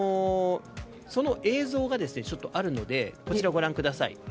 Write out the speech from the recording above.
その映像があるのでご覧ください。